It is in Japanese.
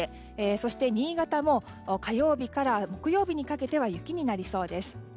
そして新潟も火曜日から木曜日にかけては雪になりそうです。